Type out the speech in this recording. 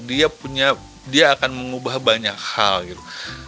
dia punya dia akan mengubah banyak hal gitu